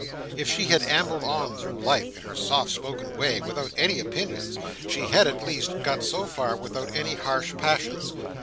If she had ambled on through life, in her soft spoken way, without any opinions, she had, at least, got so far without any harsh passions.